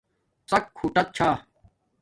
ڎق ہوٹݳ چھݳ